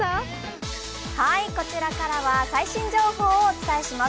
こちらからは最新情報をお伝えします。